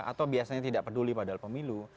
atau biasanya tidak peduli pada pemilu